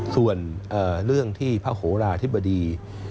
ส่วนเรื่องที่พระโหลาธิบดี